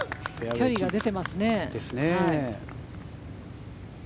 距離が出てますね。